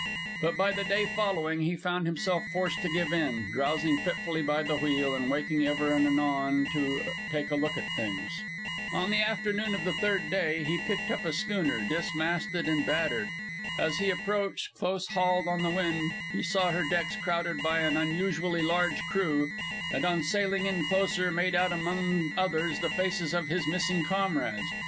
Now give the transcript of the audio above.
But by the day following he found himself forced to give in, drowsing fitfully by the wheel and waking ever and anon to take a look at things. On the afternoon of the third day he picked up a schooner, dismasted and battered. As he approached, close hauled on the wind, he saw her decks crowded by an unusually large crew, and on sailing in closer, made out among others the faces of his missing comrades.